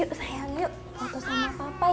yuk sayang yuk foto sama papa ya